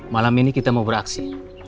malam ini kita mau beraksi